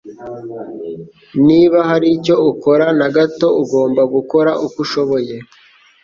Niba hari icyo ukora na gato, ugomba gukora uko ushoboye.